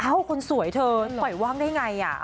เอ้าคนสวยเธอไขว้ว่างได้ไง